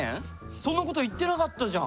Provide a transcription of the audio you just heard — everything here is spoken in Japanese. そんなこと言ってなかったじゃん！